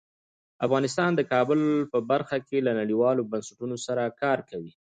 افغانستان د کابل په برخه کې له نړیوالو بنسټونو سره کار کوي.